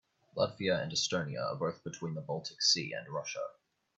Latvia and Estonia are both between the Baltic Sea and Russia.